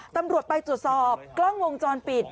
ตำรวจไปตรวจสอบกล้องวงจรปิด